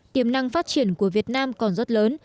tiềm năng phát triển của việt nam còn rất lớn